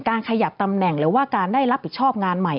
ขยับตำแหน่งหรือว่าการได้รับผิดชอบงานใหม่